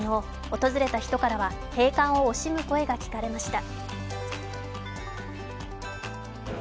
訪れた人からは閉館を惜しむ声が聞かれました。